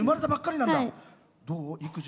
どう育児？